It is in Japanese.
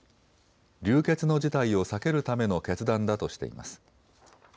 流血の事態を避けるための決断だとしています。